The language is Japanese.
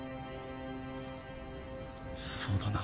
そうだな。